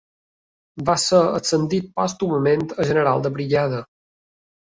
Va ser ascendit pòstumament a general de brigada.